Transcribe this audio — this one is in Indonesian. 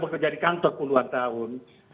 bekerja di kantor puluhan tahun